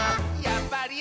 やっぱり！」